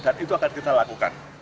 dan itu akan kita lakukan